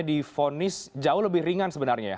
di vonis jauh lebih ringan sebenarnya ya